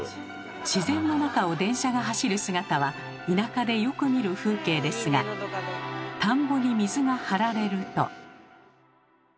自然の中を電車が走る姿は田舎でよく見る風景ですが田んぼに水が張られると。